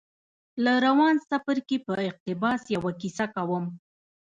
له روان څپرکي په اقتباس يوه کيسه کوم.